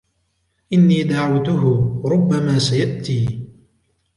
إن دعوتَه ، ربما سيأتي.